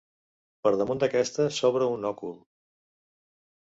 Per damunt d'aquesta s'obre un òcul.